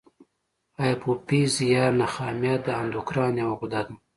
هایپوفیز یا نخامیه د اندوکراین یوه غده ده.